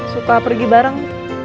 suka pergi bareng